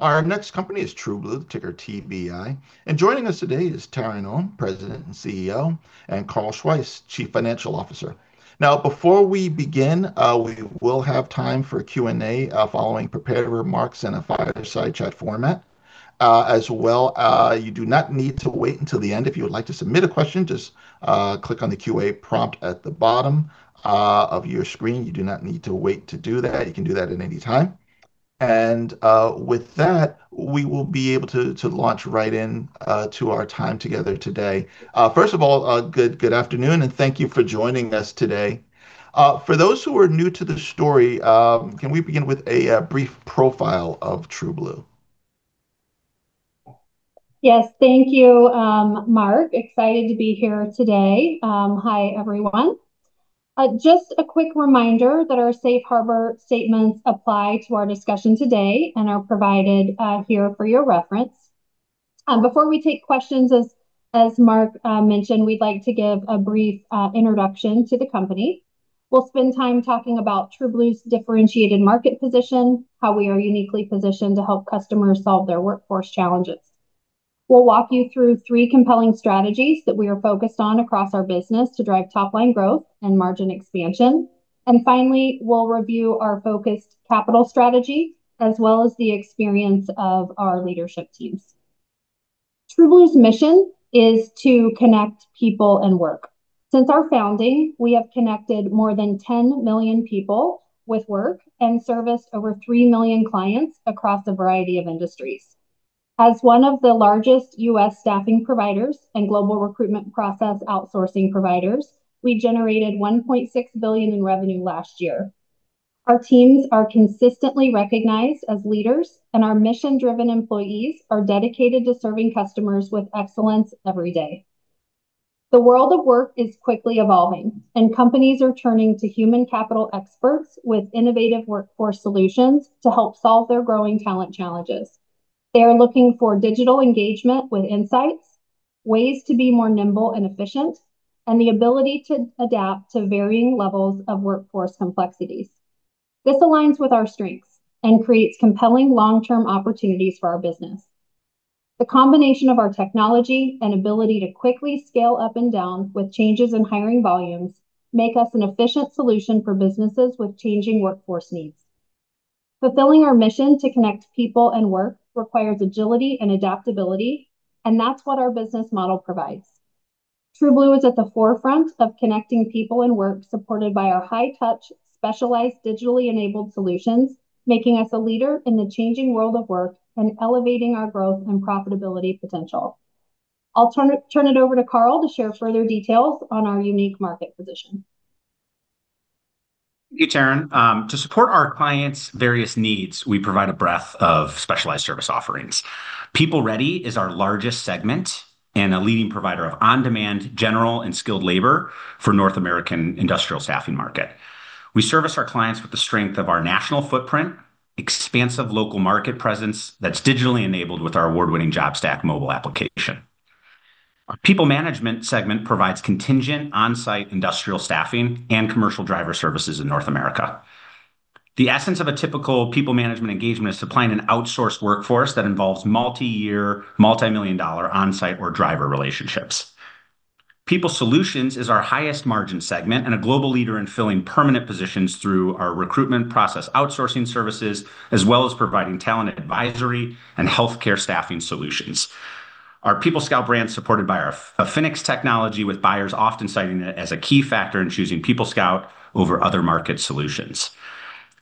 Our next company is TrueBlue, ticker TBI. Joining us today is Taryn Owen, President and CEO, and Carl Schweihs, Chief Financial Officer. Before we begin, we will have time for Q&A following prepared remarks in a fireside chat format. You do not need to wait until the end. If you would like to submit a question, just click on the Q&A prompt at the bottom of your screen. You do not need to wait to do that. You can do that at any time. With that, we will be able to launch right into our time together today. Good afternoon, and thank you for joining us today. For those who are new to the story, can we begin with a brief profile of TrueBlue? Yes. Thank you, Marc. Excited to be here today. Hi, everyone. Just a quick reminder that our safe harbor statements apply to our discussion today and are provided here for your reference. Before we take questions, as Marc mentioned, we'd like to give a brief introduction to the company. We'll spend time talking about TrueBlue's differentiated market position, how we are uniquely positioned to help customers solve their workforce challenges. We'll walk you through three compelling strategies that we are focused on across our business to drive top-line growth and margin expansion. Finally, we'll review our focused capital strategy, as well as the experience of our leadership teams. TrueBlue's mission is to connect people and work. Since our founding, we have connected more than 10 million people with work and serviced over 3 million clients across a variety of industries. As one of the largest U.S. staffing providers and global recruitment process outsourcing providers, we generated $1.6 billion in revenue last year. Our teams are consistently recognized as leaders, and our mission-driven employees are dedicated to serving customers with excellence every day. The world of work is quickly evolving, and companies are turning to human capital experts with innovative workforce solutions to help solve their growing talent challenges. They are looking for digital engagement with insights, ways to be more nimble and efficient, and the ability to adapt to varying levels of workforce complexities. This aligns with our strengths and creates compelling long-term opportunities for our business. The combination of our technology and ability to quickly scale up and down with changes in hiring volumes make us an efficient solution for businesses with changing workforce needs. Fulfilling our mission to connect people and work requires agility and adaptability, and that's what our business model provides. TrueBlue is at the forefront of connecting people in work supported by our high-touch, specialized digitally enabled solutions, making us a leader in the changing world of work and elevating our growth and profitability potential. I'll turn it over to Carl to share further details on our unique market position. Thank you, Taryn. To support our clients' various needs, we provide a breadth of specialized service offerings. PeopleReady is our largest segment and a leading provider of on-demand general and skilled labor for North American industrial staffing market. We service our clients with the strength of our national footprint, expansive local market presence that's digitally enabled with our award-winning JobStack mobile application. Our PeopleManagement segment provides contingent on-site industrial staffing and commercial driver services in North America. The essence of a typical PeopleManagement engagement is supplying an outsourced workforce that involves multi-year, multimillion-dollar on-site or driver relationships. People Solutions is our highest margin segment and a global leader in filling permanent positions through our recruitment process outsourcing services, as well as providing talent, advisory, and healthcare staffing solutions. Our PeopleScout brand supported by our Affinix technology, with buyers often citing it as a key factor in choosing PeopleScout over other market solutions.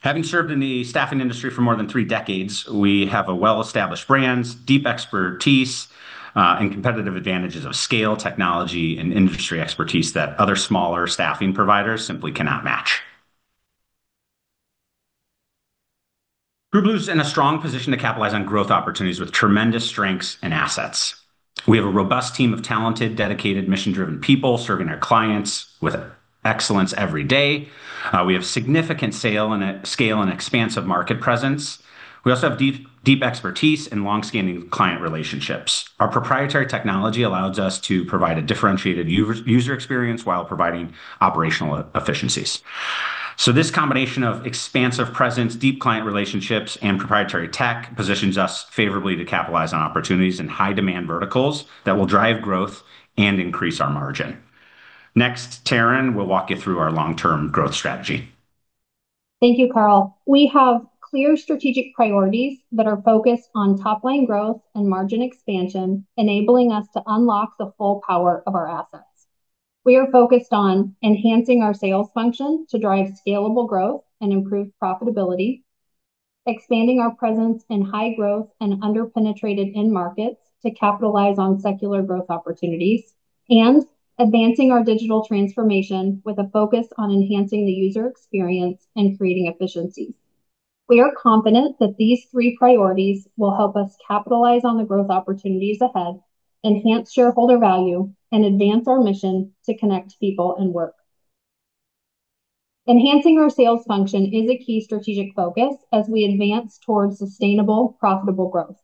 Having served in the staffing industry for more than three decades, we have well-established brands, deep expertise, and competitive advantages of scale, technology, and industry expertise that other smaller staffing providers simply cannot match. TrueBlue's in a strong position to capitalize on growth opportunities with tremendous strengths and assets. We have a robust team of talented, dedicated, mission-driven people serving our clients with excellence every day. We have significant scale and expansive market presence. We also have deep expertise and long-standing client relationships. Our proprietary technology allows us to provide a differentiated user experience while providing operational efficiencies. This combination of expansive presence, deep client relationships, and proprietary tech positions us favorably to capitalize on opportunities in high-demand verticals that will drive growth and increase our margin. Next, Taryn will walk you through our long-term growth strategy. Thank you, Carl. We have clear strategic priorities that are focused on top-line growth and margin expansion, enabling us to unlock the full power of our assets. We are focused on enhancing our sales function to drive scalable growth and improve profitability, expanding our presence in high growth and under-penetrated end markets to capitalize on secular growth opportunities, and advancing our digital transformation with a focus on enhancing the user experience and creating efficiencies. We are confident that these three priorities will help us capitalize on the growth opportunities ahead, enhance shareholder value, and advance our mission to connect people and work. Enhancing our sales function is a key strategic focus as we advance towards sustainable profitable growth.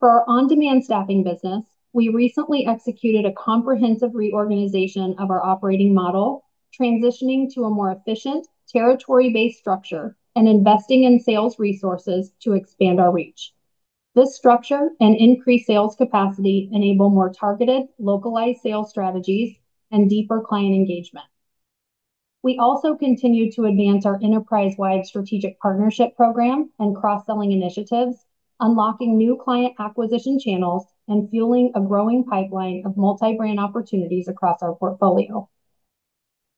For our on-demand staffing business, we recently executed a comprehensive reorganization of our operating model, transitioning to a more efficient territory-based structure and investing in sales resources to expand our reach. This structure and increased sales capacity enable more targeted, localized sales strategies and deeper client engagement. We also continue to advance our enterprise-wide strategic partnership program and cross-selling initiatives, unlocking new client acquisition channels, and fueling a growing pipeline of multi-brand opportunities across our portfolio.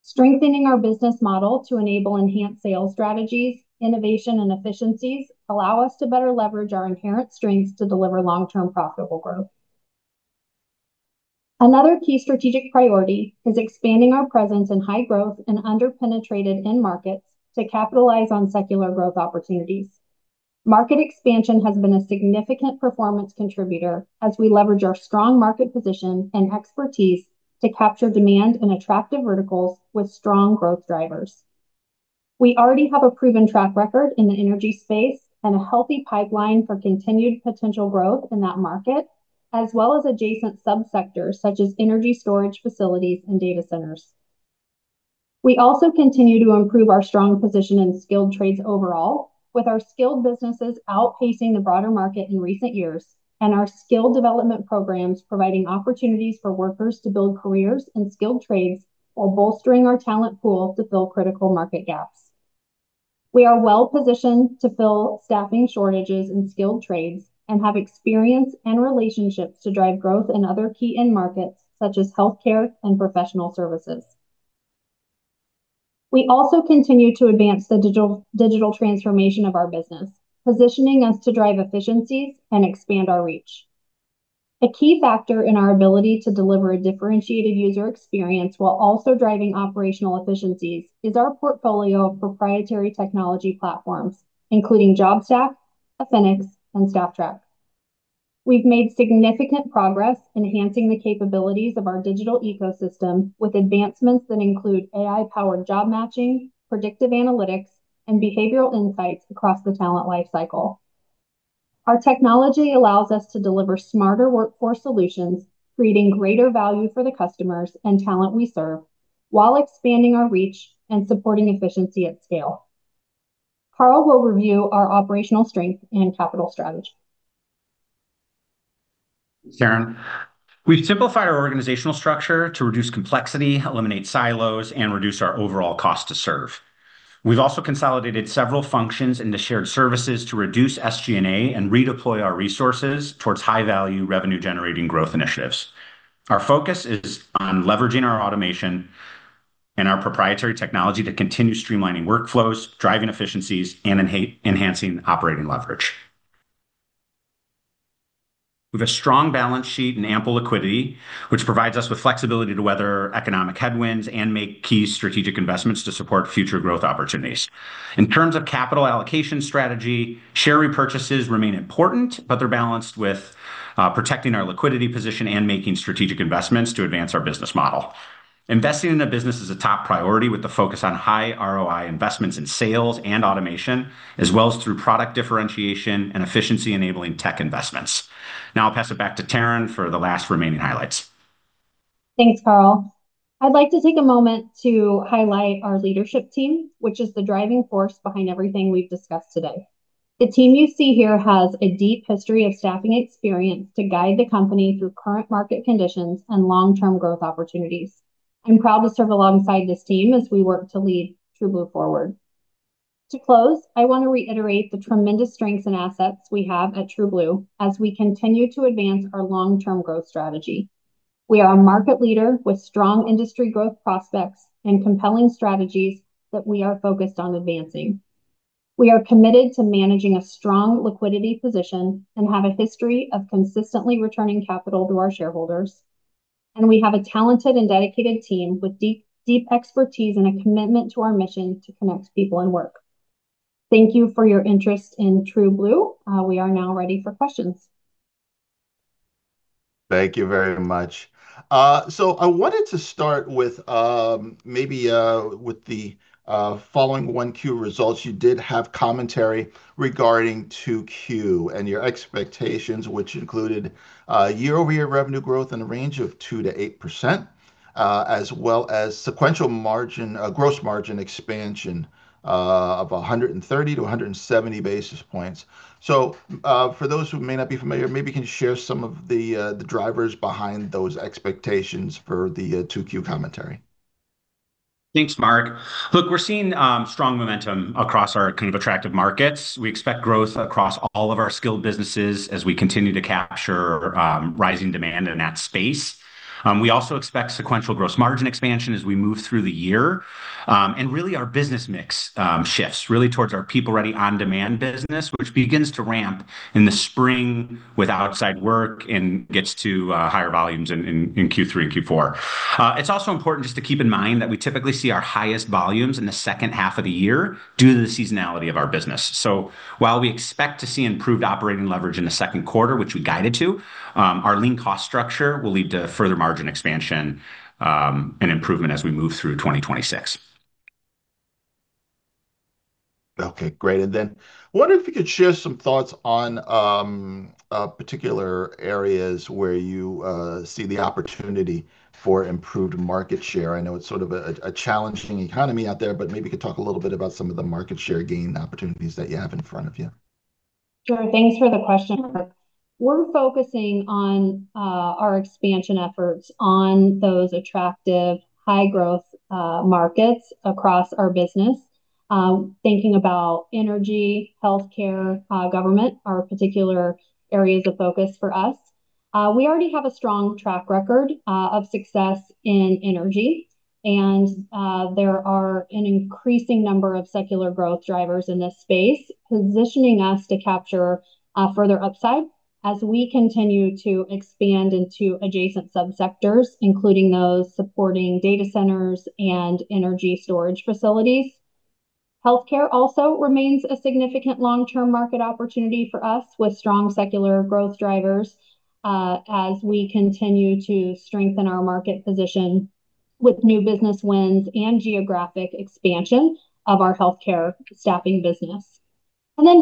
Strengthening our business model to enable enhanced sales strategies, innovation, and efficiencies allow us to better leverage our inherent strengths to deliver long-term profitable growth. Another key strategic priority is expanding our presence in high growth and under-penetrated end markets to capitalize on secular growth opportunities. Market expansion has been a significant performance contributor as we leverage our strong market position and expertise to capture demand in attractive verticals with strong growth drivers. We already have a proven track record in the energy space and a healthy pipeline for continued potential growth in that market, as well as adjacent sub-sectors such as energy storage facilities and data centers. We also continue to improve our strong position in skilled trades overall, with our skilled businesses outpacing the broader market in recent years, and our skill development programs providing opportunities for workers to build careers in skilled trades while bolstering our talent pool to fill critical market gaps. We are well-positioned to fill staffing shortages in skilled trades and have experience and relationships to drive growth in other key end markets such as healthcare and professional services. We also continue to advance the digital transformation of our business, positioning us to drive efficiencies and expand our reach. A key factor in our ability to deliver a differentiated user experience while also driving operational efficiencies is our portfolio of proprietary technology platforms, including JobStack, Affinix, and Stafftrack. We've made significant progress enhancing the capabilities of our digital ecosystem with advancements that include AI-powered job matching, predictive analytics, and behavioral insights across the talent lifecycle. Our technology allows us to deliver smarter workforce solutions, creating greater value for the customers and talent we serve while expanding our reach and supporting efficiency at scale. Carl will review our operational strength and capital strategy. Taryn, we've simplified our organizational structure to reduce complexity, eliminate silos, and reduce our overall cost to serve. We've also consolidated several functions into shared services to reduce SGA and redeploy our resources towards high-value, revenue-generating growth initiatives. Our focus is on leveraging our automation and our proprietary technology to continue streamlining workflows, driving efficiencies, and enhancing operating leverage. We have a strong balance sheet and ample liquidity, which provides us with flexibility to weather economic headwinds and make key strategic investments to support future growth opportunities. In terms of capital allocation strategy, share repurchases remain important, but they're balanced with protecting our liquidity position and making strategic investments to advance our business model. Investing in the business is a top priority, with the focus on high ROI investments in sales and automation, as well as through product differentiation and efficiency-enabling tech investments. I'll pass it back to Taryn for the last remaining highlights. Thanks, Carl. I'd like to take a moment to highlight our leadership team, which is the driving force behind everything we've discussed today. The team you see here has a deep history of staffing experience to guide the company through current market conditions and long-term growth opportunities. I'm proud to serve alongside this team as we work to lead TrueBlue forward. To close, I want to reiterate the tremendous strengths and assets we have at TrueBlue as we continue to advance our long-term growth strategy. We are a market leader with strong industry growth prospects and compelling strategies that we are focused on advancing. We are committed to managing a strong liquidity position and have a history of consistently returning capital to our shareholders. We have a talented and dedicated team with deep expertise and a commitment to our mission to connect people and work. Thank you for your interest in TrueBlue. We are now ready for questions. Thank you very much. I wanted to start with the following: 1Q results. You did have commentary regarding 2Q and your expectations, which included year-over-year revenue growth in a range of 2%-8%, as well as sequential gross margin expansion of 130-170 basis points. For those who may not be familiar, maybe you can share some of the drivers behind those expectations for the 2Q commentary. Thanks, Marc. Look, we're seeing strong momentum across our attractive markets. We expect growth across all of our skilled businesses as we continue to capture rising demand in that space. We also expect sequential gross margin expansion as we move through the year. Really, our business mix shifts towards our PeopleReady on-demand business, which begins to ramp in the spring with outside work and gets to higher volumes in Q3 and Q4. It's also important just to keep in mind that we typically see our highest volumes in the second half of the year due to the seasonality of our business. While we expect to see improved operating leverage in the second quarter, which we guided to, our lean cost structure will lead to further margin expansion, and improvement as we move through 2026. Okay, great. Wonder if you could share some thoughts on particular areas where you see the opportunity for improved market share. I know it's sort of a challenging economy out there, but maybe you could talk a little bit about some of the market share gain opportunities that you have in front of you. Sure. Thanks for the question. We're focusing on our expansion efforts on those attractive high-growth markets across our business. Thinking about energy, healthcare, government, are particular areas of focus for us. We already have a strong track record of success in energy, and there are an increasing number of secular growth drivers in this space, positioning us to capture further upside as we continue to expand into adjacent sub-sectors, including those supporting data centers and energy storage facilities. Healthcare also remains a significant long-term market opportunity for us, with strong secular growth drivers as we continue to strengthen our market position with new business wins and geographic expansion of our healthcare staffing business.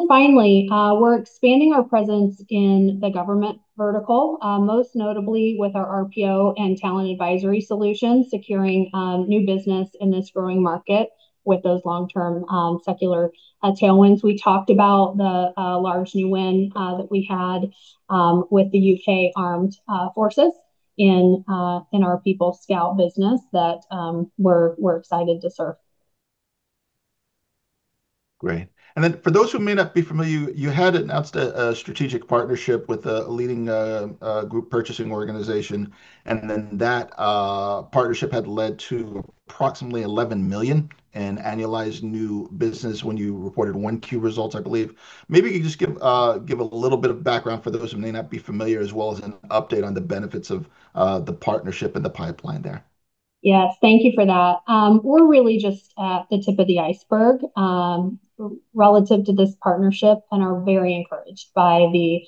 Finally, we're expanding our presence in the government vertical, most notably with our RPO and talent advisory solutions, securing new business in this growing market with those long-term secular tailwinds. We talked about the large new win that we had with the U.K. Armed Forces in our PeopleScout business that we're excited to serve. Great. For those who may not be familiar, you had announced a strategic partnership with a leading group purchasing organization, that partnership had led to approximately $11 million in annualized new business when you reported 1Q results, I believe. Maybe you could just give a little bit of background for those who may not be familiar, as well as an update on the benefits of the partnership and the pipeline there? Yes, thank you for that. We're really just at the tip of the iceberg relative to this partnership and are very encouraged by the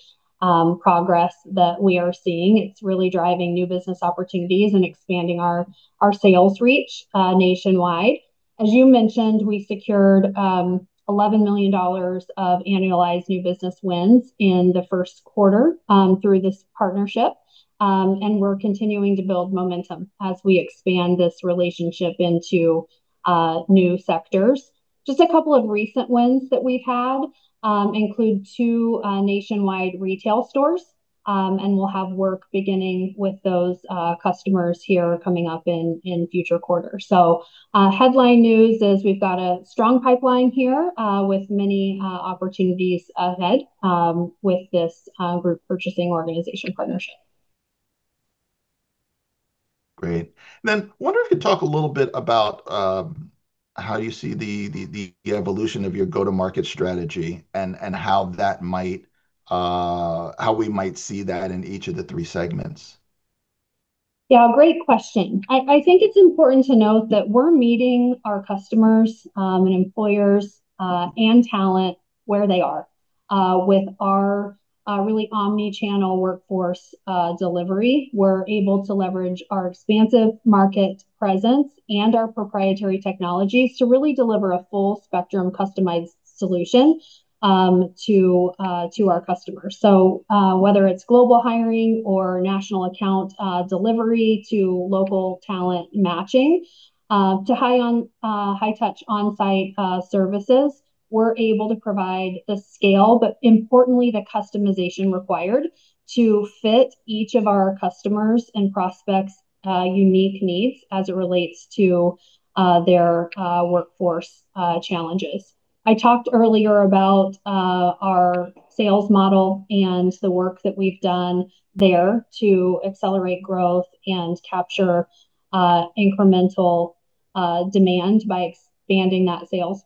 progress that we are seeing. It's really driving new business opportunities and expanding our sales reach nationwide. As you mentioned, we secured $11 million of annualized new business wins in the first quarter through this partnership, and we're continuing to build momentum as we expand this relationship into new sectors. Just a couple of recent wins that we've had include two nationwide retail stores, and we'll have work beginning with those customers here coming up in future quarters. Headline news is we've got a strong pipeline here with many opportunities ahead with this group purchasing organization partnership. Great. Wonder if you talk a little bit about how you see the evolution of your go-to-market strategy and how we might see that in each of the three segments? Yeah, great question. I think it's important to note that we're meeting our customers and employers and talent where they are. With our really omnichannel workforce delivery, we're able to leverage our expansive market presence and our proprietary technologies to really deliver a full spectrum customized solution to our customers. Whether it's global hiring or national account delivery to local talent matching, to high-touch on-site services, we're able to provide the scale, but importantly, the customization required to fit each of our customers' and prospects' unique needs as it relates to their workforce challenges. I talked earlier about our sales model and the work that we've done there to accelerate growth and capture incremental demand by expanding that sales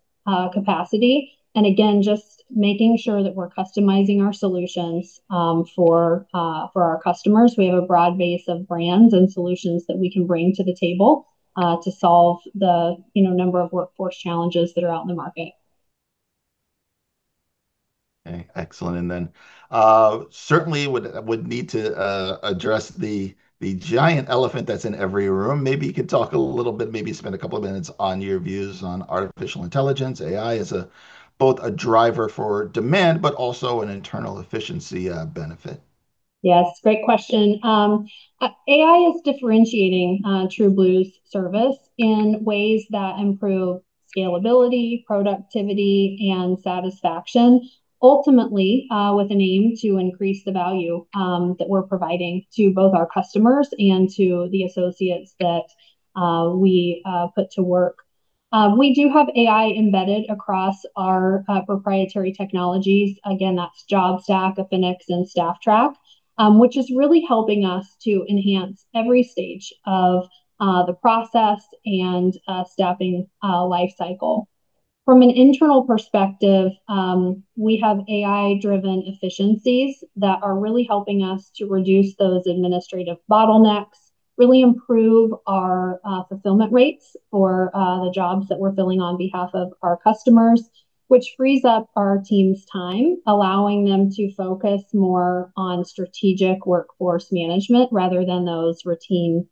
capacity. Again, just making sure that we're customizing our solutions for our customers. We have a broad base of brands and solutions that we can bring to the table to solve the number of workforce challenges that are out in the market. Okay, excellent. Certainly would need to address the giant elephant that's in every room. Maybe you could talk a little bit, maybe spend a couple of minutes on your views on artificial intelligence. AI is both a driver for demand, but also an internal efficiency benefit. Yes, great question. AI is differentiating TrueBlue's service in ways that improve scalability, productivity, and satisfaction. Ultimately, with an aim to increase the value that we're providing to both our customers and to the associates that we put to work. We do have AI embedded across our proprietary technologies. Again, that's JobStack, Affinix, and Stafftrack, which is really helping us to enhance every stage of the process and staffing life cycle. From an internal perspective, we have AI-driven efficiencies that are really helping us to reduce those administrative bottlenecks, really improve our fulfillment rates for the jobs that we're filling on behalf of our customers, which frees up our team's time, allowing them to focus more on strategic workforce management rather than those routine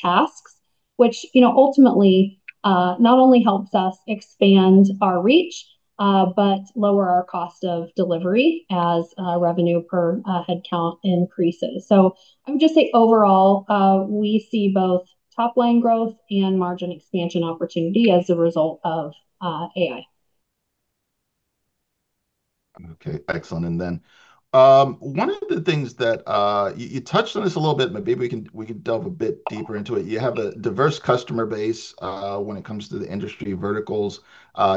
tasks, which ultimately not only helps us expand our reach, but lower our cost of delivery as revenue per headcount increases. I would just say overall, we see both top-line growth and margin expansion opportunity as a result of AI. Okay, excellent. Then one of the things that you touched on this a little bit, maybe we can delve a bit deeper into it. You have a diverse customer base when it comes to the industry verticals.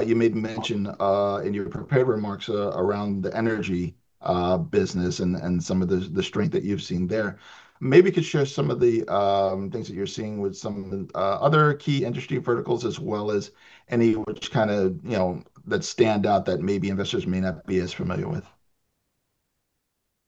You made mention in your prepared remarks around the energy business and some of the strength that you've seen there. Maybe you could share some of the things that you're seeing with some of the other key industry verticals, as well as any which that stand out that maybe investors may not be as familiar with.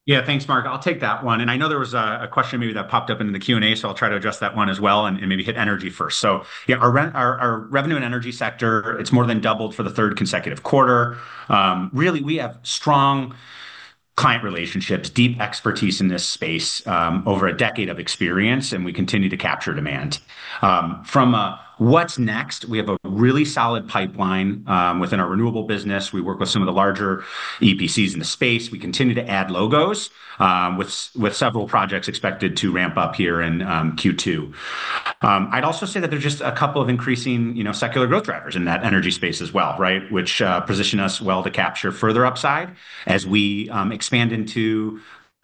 Yeah. Thanks, Marc. I'll take that one. I know there was a question maybe that popped up into the Q&A, I'll try to address that one as well, and maybe hit energy first. Yeah, our revenue and energy sector, it's more than doubled for the third consecutive quarter. Really, we have strong client relationships, deep expertise in this space, over a decade of experience, and we continue to capture demand. From a what's next, we have a really solid pipeline within our renewable business. We work with some of the larger EPCs in the space. We continue to add logos, with several projects expected to ramp up here in Q2. I'd also say that there's just a couple of increasing secular growth drivers in that energy space as well, which position us well to capture further upside as we expand into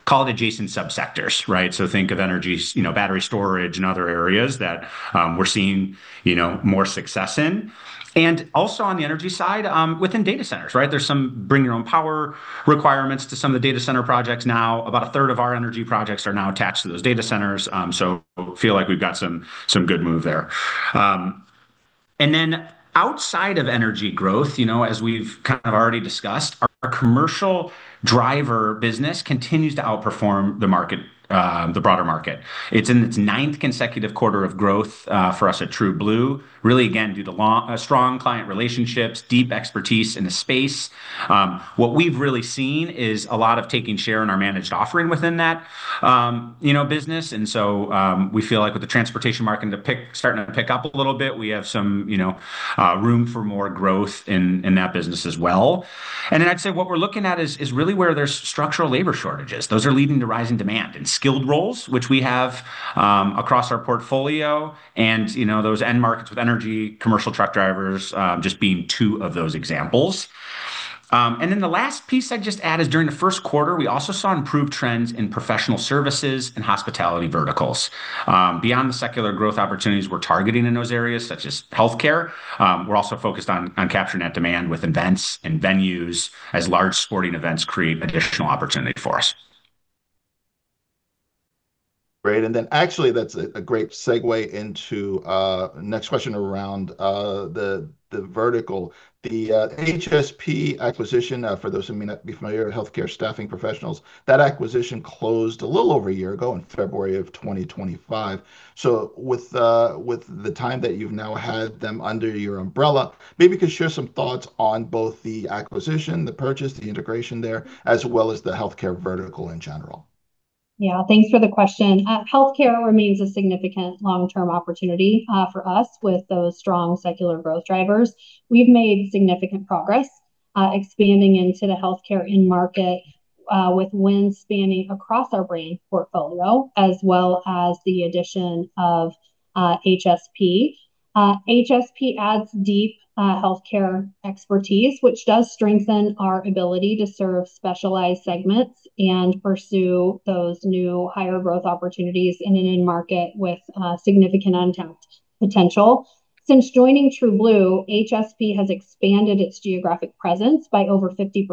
call it adjacent sub-sectors. Think of energy, battery storage and other areas that we're seeing more success in. Also on the energy side, within data centers. There's some bring your own power requirements to some of the data center projects now. About a third of our energy projects are now attached to those data centers. Feel like we've got some good move there. Then outside of energy growth, as we've kind of already discussed, our commercial driver business continues to outperform the broader market. It's in its ninth consecutive quarter of growth for us at TrueBlue. Really, again, due to strong client relationships, deep expertise in the space. What we've really seen is a lot of taking share in our managed offering within that business. We feel like with the transportation market starting to pick up a little bit, we have some room for more growth in that business as well. Then I'd say what we're looking at is really where there's structural labor shortages. Those are leading to rising demand and skilled roles, which we have across our portfolio. Those end markets with energy, commercial truck drivers, just being two of those examples. Then the last piece I'd just add is during the first quarter, we also saw improved trends in professional services and hospitality verticals. Beyond the secular growth opportunities we're targeting in those areas, such as healthcare, we're also focused on capturing that demand with events and venues as large sporting events create additional opportunity for us. Great, actually, that's a great segue into next question around the vertical. The HSP acquisition, for those who may not be familiar with Healthcare Staffing Professionals, that acquisition closed a little over a year ago in February of 2025. With the time that you've now had them under your umbrella, maybe you could share some thoughts on both the acquisition, the purchase, the integration there, as well as the healthcare vertical in general. Yeah, thanks for the question. Healthcare remains a significant long-term opportunity for us with those strong secular growth drivers. We've made significant progress expanding into the healthcare end market, with wins spanning across our range portfolio, as well as the addition of HSP. HSP adds deep healthcare expertise, which does strengthen our ability to serve specialized segments and pursue those new higher growth opportunities in an end market with significant untapped potential. Since joining TrueBlue, HSP has expanded its geographic presence by over 50%.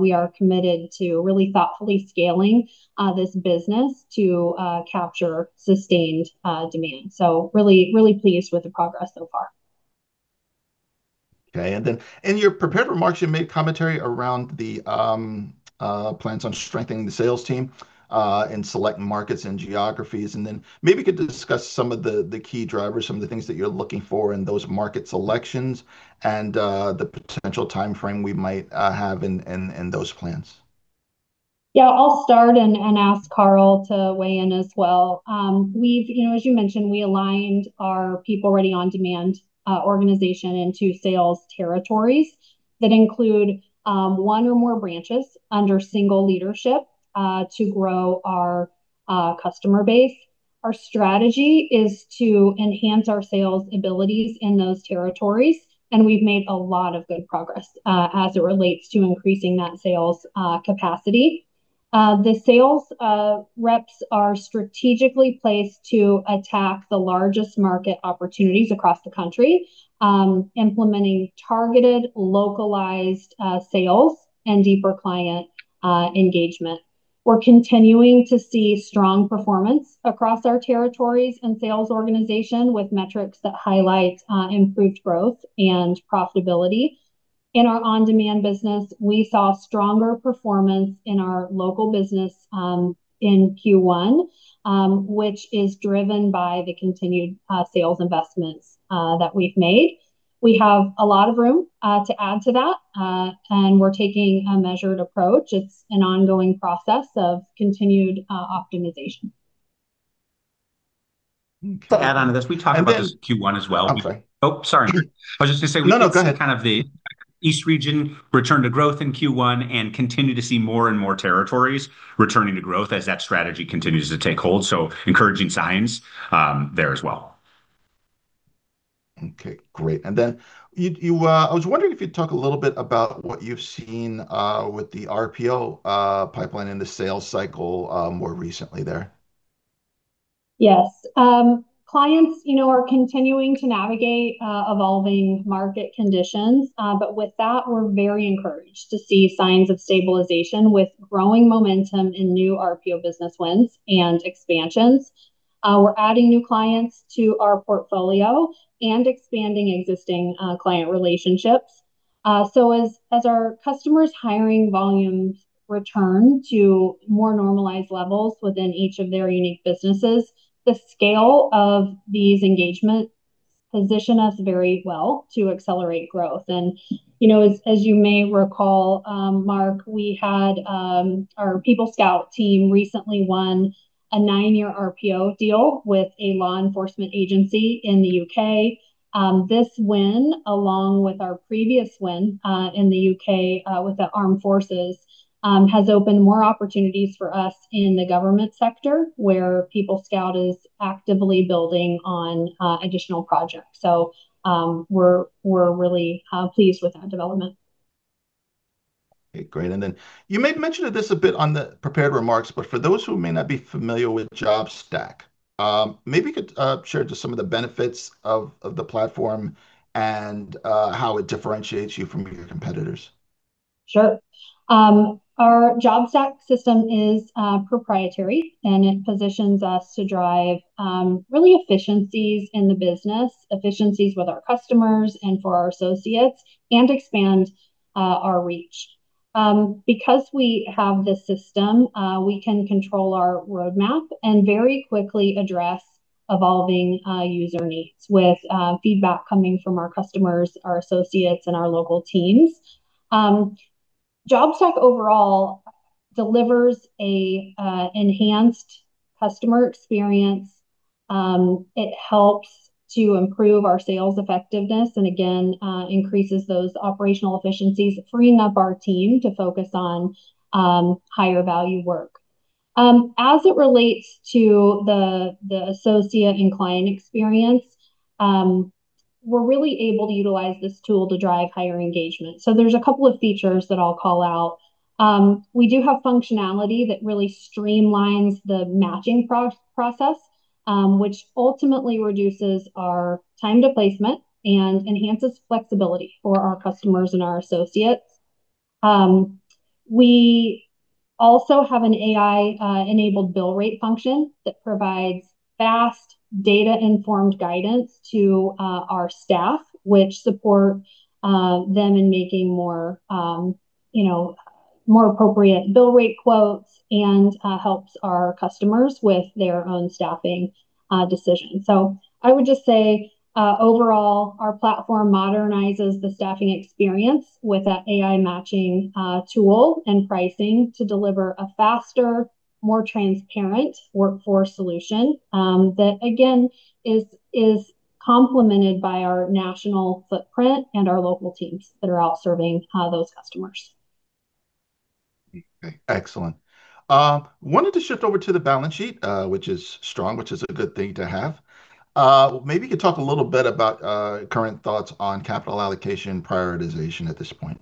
We are committed to really thoughtfully scaling this business to capture sustained demand. Really, really pleased with the progress so far. Okay. In your prepared remarks, you made commentary around the plans on strengthening the sales team in select markets and geographies. Maybe you could discuss some of the key drivers, some of the things that you're looking for in those market selections and the potential timeframe we might have in those plans. Yeah, I'll start and ask Carl to weigh in as well. As you mentioned, we aligned our PeopleReady on-demand organization into sales territories that include one or more branches under single leadership to grow our customer base. Our strategy is to enhance our sales abilities in those territories, we've made a lot of good progress as it relates to increasing that sales capacity. The sales reps are strategically placed to attack the largest market opportunities across the country, implementing targeted, localized sales and deeper client engagement. We're continuing to see strong performance across our territories and sales organization with metrics that highlight improved growth and profitability. In our on-demand business, we saw stronger performance in our local business in Q1, which is driven by the continued sales investments that we've made. We have a lot of room to add to that, we're taking a measured approach. It's an ongoing process of continued optimization. To add on to this, we talked about this Q1 as well. Oh, sorry. No, go ahead. I was just going to say, we've also kind of the East region return to growth in Q1 and continue to see more and more territories returning to growth as that strategy continues to take hold. Encouraging signs there as well. Okay, great. I was wondering if you'd talk a little bit about what you've seen with the RPO pipeline and the sales cycle more recently there. Yes. Clients are continuing to navigate evolving market conditions. With that, we're very encouraged to see signs of stabilization with growing momentum in new RPO business wins and expansions. We're adding new clients to our portfolio and expanding existing client relationships. As our customers' hiring volumes return to more normalized levels within each of their unique businesses, the scale of these engagements position us very well to accelerate growth. As you may recall, Marc, we had our PeopleScout team recently won a nine-year RPO deal with a law enforcement agency in the U.K. This win, along with our previous win in the U.K. with the Armed Forces, has opened more opportunities for us in the government sector, where PeopleScout is actively building on additional projects. We're really pleased with that development. Okay, great. You made mention of this a bit on the prepared remarks, but for those who may not be familiar with JobStack, maybe you could share just some of the benefits of the platform and how it differentiates you from your competitors. Sure. Our JobStack system is proprietary. It positions us to drive really efficiencies in the business, efficiencies with our customers and for our associates, and expand our reach. We have this system, we can control our roadmap and very quickly address evolving user needs with feedback coming from our customers, our associates, and our local teams. JobStack overall delivers an enhanced customer experience. It helps to improve our sales effectiveness. Again increases those operational efficiencies, freeing up our team to focus on higher value work. As it relates to the associate and client experience, we're really able to utilize this tool to drive higher engagement. There's a couple of features that I'll call out. We do have functionality that really streamlines the matching process, which ultimately reduces our time to placement and enhances flexibility for our customers and our associates. We also have an AI-enabled bill rate function that provides fast data-informed guidance to our staff, which support them in making more appropriate bill rate quotes, and helps our customers with their own staffing decisions. I would just say, overall, our platform modernizes the staffing experience with that AI matching tool and pricing to deliver a faster, more transparent workforce solution, that again, is complemented by our national footprint and our local teams that are out serving those customers. Okay. Excellent. I wanted to shift over to the balance sheet, which is strong, which is a good thing to have. Maybe you could talk a little bit about current thoughts on capital allocation prioritization at this point.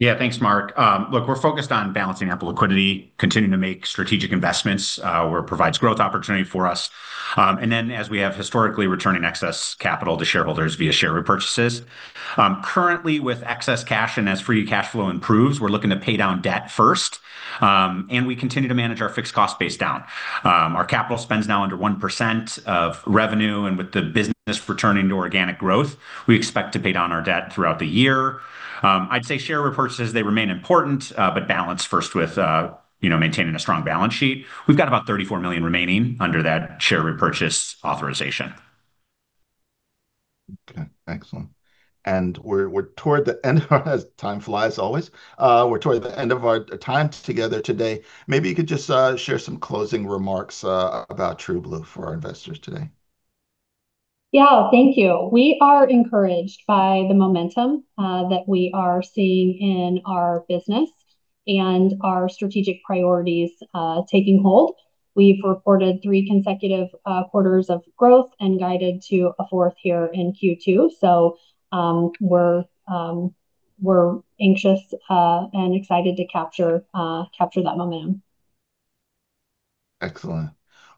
Yeah, thanks, Marc. Look, we're focused on balancing ample liquidity, continuing to make strategic investments where it provides growth opportunity for us. As we have historically returning excess capital to shareholders via share repurchases. Currently with excess cash and as free cash flow improves, we're looking to pay down debt first. We continue to manage our fixed cost base down. Our capital spend is now under 1% of revenue. With the business returning to organic growth, we expect to pay down our debt throughout the year. I'd say share repurchases, they remain important, but balance first with maintaining a strong balance sheet. We've got about $34 million remaining under that share repurchase authorization. Okay. Excellent. We're toward the end, as time flies, always. We're toward the end of our time together today. Maybe you could just share some closing remarks about TrueBlue for our investors today. Yeah. Thank you. We are encouraged by the momentum that we are seeing in our business and our strategic priorities taking hold. We've reported three consecutive quarters of growth and guided to a fourth here in Q2. We're anxious and excited to capture that momentum. Excellent.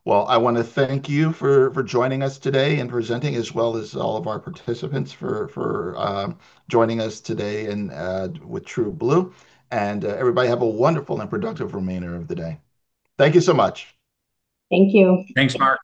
Well, I want to thank you for joining us today and presenting as well as all of our participants for joining us today with TrueBlue. Everybody have a wonderful and productive remainder of the day. Thank you so much. Thank you. Thanks, Marc.